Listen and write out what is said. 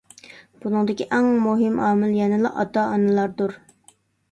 بۇنىڭدىكى ئەڭ مۇھىم ئامىل يەنىلا ئاتا-ئانىلاردۇر.